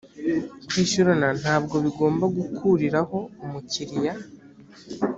kwishyurana ntabwo bigomba gukuriraho umukiriya